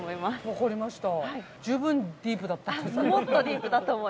分かりました。